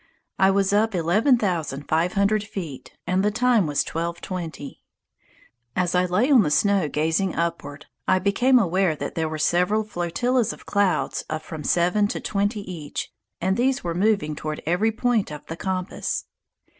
I was up eleven thousand five hundred feet and the time was 12.20. As I lay on the snow gazing upward, I became aware that there were several flotillas of clouds of from seven to twenty each, and these were moving toward every point of the compass.